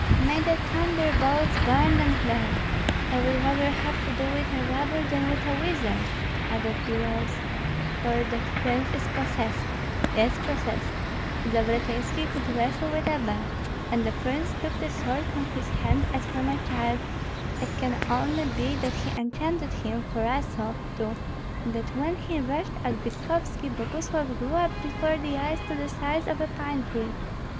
"May the thunderbolts burn them there! I would rather have to do with a robber than with a wizard," added Biloüs; "for that prince is possessed, yes, possessed. Zavratynski could wrestle with a bear, and the prince took the sword from his hands as from a child. It can only be that he enchanted him, for I saw, too, that when he rushed at Vitkovski Boguslav grew up before the eyes to the size of a pine tree.